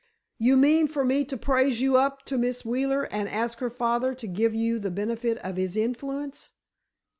"You mean for me to praise you up to Miss Wheeler and ask her father to give you the benefit of his influence?"